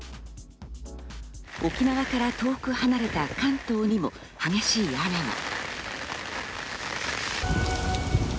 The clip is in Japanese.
沖縄から遠く離れた関東にも激しい雨が。